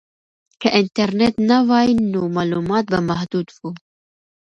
که انټرنیټ نه وای نو معلومات به محدود وو.